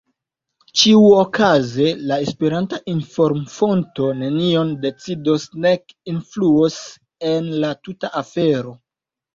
Ĉiuokaze, la Esperanta inform-fonto nenion decidos nek influos en la tuta afero.